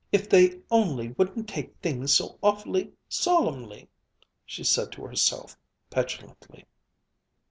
"If they only wouldn't take things so awfully solemnly!" she said to herself petulantly.